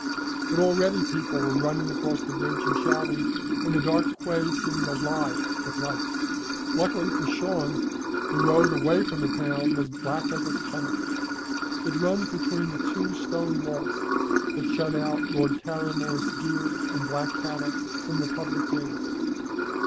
But already people were running across the bridge and shouting, and the dark quay seemed alive with lights. Luckily for Shawn the road away from the town was black as a tunnel. It runs between the two stone walls that shut out Lord Cahirmore's deer and black cattle from the public gaze.